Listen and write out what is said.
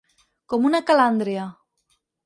Com una calàndria.